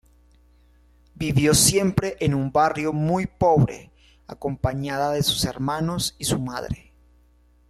Vivió siempre en un barrio muy pobre acompañada de sus hermanos y su madre.